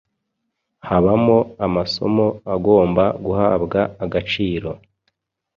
habamo amasomo agomba guhabwa agaciro